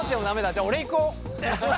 じゃあ俺行こう。